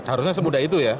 harusnya semudah itu ya